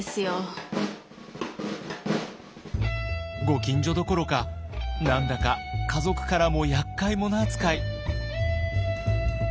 ご近所どころか何だか家族からもやっかい者扱い。